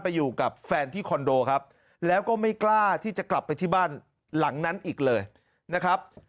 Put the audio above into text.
อยู่กับแฟนที่คอนโดครับแล้วก็ไม่กล้าที่จะกลับไปที่บ้านหลังนั้นอีกเลยนะครับ